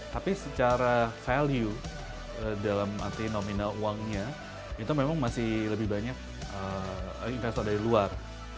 tapi secara value dalam arti nominal uangnya itu memang masih lebih banyak investor dari luar